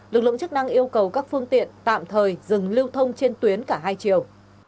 lực lượng chức năng yêu cầu các phương tiện tạm thời dừng lưu thông trên tuyến cả hai chiều